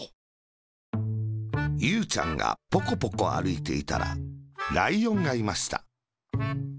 ゆうちゃんがポコポコあるいていたら、ライオンがいました。